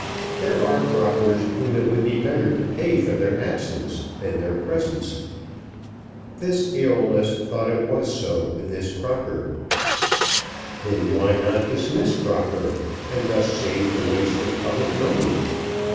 There are Crockers whom it would be better to pay for their absence than their presence. This Æolus thought it was so with this Crocker. Then why not dismiss Crocker, and thus save the waste of public money?